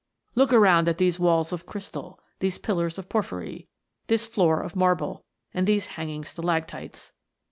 "Look around at these walls of crystal, these pillars of porphyry, this floor of marble, and these hanging stalactites